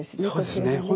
そうですね。